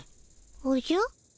おじゃ？